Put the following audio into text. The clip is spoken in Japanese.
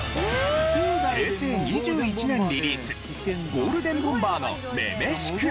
平成２１年リリースゴールデンボンバーの『女々しくて』。